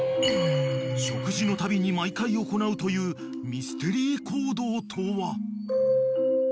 ［食事のたびに毎回行うというミステリー行動とは？］